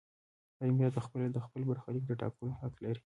هر ملت په خپله د خپل برخلیک د ټاکلو حق لري.